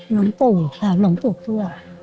หลวงปู่ค่ะหลวงปู่เคลือบ